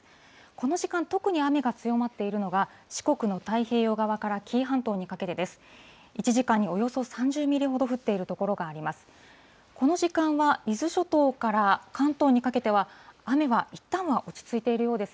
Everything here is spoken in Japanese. この時間、特に雨が強まっているのが、四国の太平洋側から紀伊半島にかけてです。